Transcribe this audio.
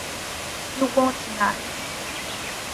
You won tonight.